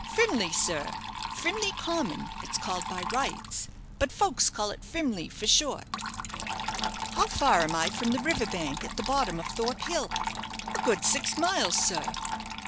"Frimley, sir Frimley Common it's called by rights. But folks call it Frimley for short." "How far am I from the river bank at the bottom of Thorpe Hill?" "A good six miles, sir."